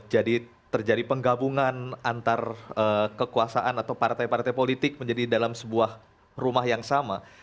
jadi terjadi penggabungan antar kekuasaan atau partai partai politik menjadi dalam sebuah rumah yang sama